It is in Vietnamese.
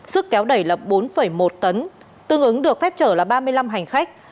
sức kéo đẩy là bốn một tấn tương ứng được phép trở là ba mươi năm hành khách